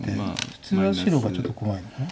普通は白がちょっと怖いですね